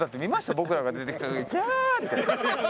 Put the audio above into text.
僕らが出てきた時「キャー」って。